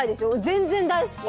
全然大好き！